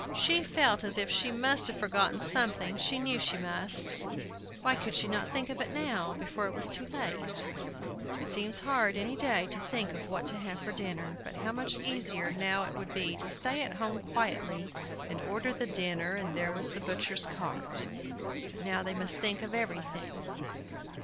She felt as if she must have forgotten something; she knew she must. Why could not she think of it now, before it was too late? It seems hard any day to think what to have for dinner, but how much easier now it would be to stay at home quietly and order the dinner, and there was the butcher's cart! But now they must think of everything.